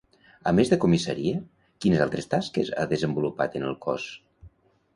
A més de comissaria, quines altres tasques ha desenvolupat en el cos?